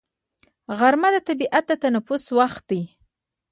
غرمه د طبیعت د تنفس وخت دی